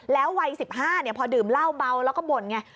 แล้ววัย๑๕พอดื่มเหล้าเมาแล้วก็บ่นไง